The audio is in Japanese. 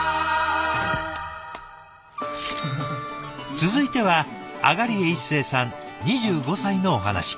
続いては東江一誠さん２５歳のお話。